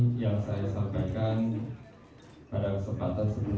saya ingin mengucapkan terima kasih kepada teman teman yang datang ke hari ini